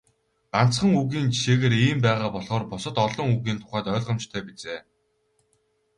Ганцхан үгийн жишээгээр ийм байгаа болохоор бусад олон үгийн тухайд ойлгомжтой биз ээ.